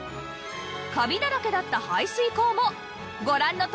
カビだらけだった排水口もご覧のとおり